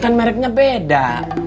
kan mereknya beda